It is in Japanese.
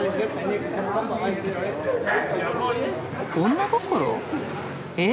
女心？え！？